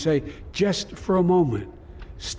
hanya untuk semenit